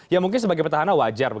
ya mungkin sebagai petahana wajar